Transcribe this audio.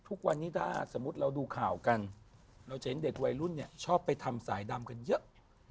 ทุกวันนี้ถ้าสมมุติเราดูข่าวกันเราจะเห็นเด็กวัยรุ่นเนี่ยชอบไปทำสายดำกันเยอะ